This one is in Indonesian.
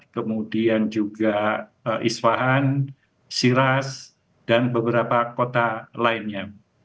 kemudian juga iswaan siras dan beberapa kota lainnya